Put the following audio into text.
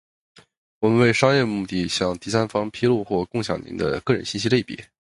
我们为商业目的向第三方披露或共享的您的个人信息类别；